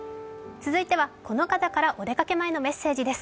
続いてはこの方からお出かけ前のメッセージです。